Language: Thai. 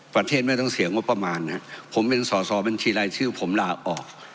ประเทศไม่ต้องเสียงงบประมาณนะครับผมเป็นสอสอบัญชีรายชื่อผมลาออก